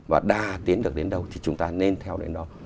và đa tiến được đến đâu thì chúng ta nên theo đến đó